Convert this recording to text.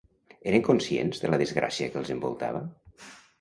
Eren conscients de la desgràcia que els envoltava?